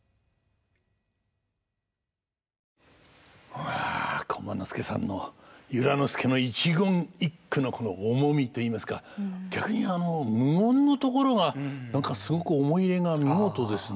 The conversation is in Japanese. うわ駒之助さんの由良之助の一言一句の重みといいますか逆にあの無音のところが何かすごく思い入れが見事ですね。